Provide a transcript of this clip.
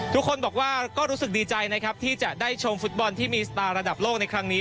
ทุกคนบอกว่าก็รู้สึกดีใจนะครับที่จะได้ชมฟุตบอลที่มีสตาร์ระดับโลกในครั้งนี้